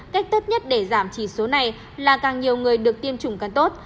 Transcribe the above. cách tốt nhất để giảm chỉ số này là càng nhiều người được tiêm chủng càng tốt